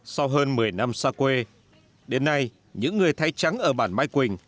sau hơn một mươi năm xa quê đến nay những người thay trắng ở bản mai quỳnh